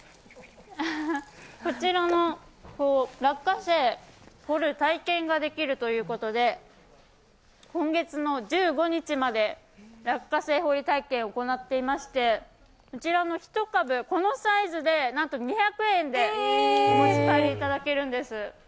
こちらの落花生を掘る体験ができるということで今月の１５日まで落花生掘り体験ができまして、こちらの１株、このサイズでなんと２００円でお持ち帰りいただけるんです。